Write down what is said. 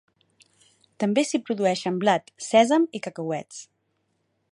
També s'hi produeixen blat, sèsam i cacauets.